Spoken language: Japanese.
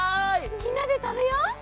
みんなでたべよう！